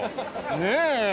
ねえ。